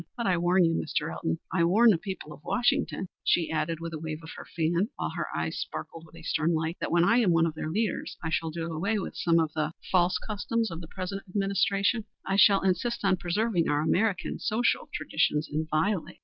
But I warn you, Mr. Elton, I warn the people of Washington," she added with a wave of her fan, while her eyes sparkled with a stern light "that when I am one of their leaders, I shall do away with some of the er false customs of the present administration. I shall insist on preserving our American social traditions inviolate."